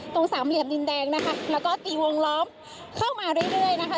สามเหลี่ยมดินแดงนะคะแล้วก็ตีวงล้อมเข้ามาเรื่อยนะคะ